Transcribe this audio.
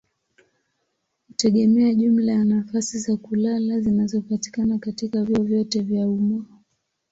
hutegemea jumla ya nafasi za kulala zinazopatikana katika vyuo vyote vya umma.